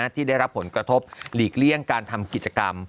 ที่ได้รับผลกระทบหลีกเลี่ยงการทำกิจกรรม